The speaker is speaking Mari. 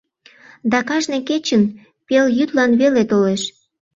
Да кажне кечын пелйӱдлан веле толеш...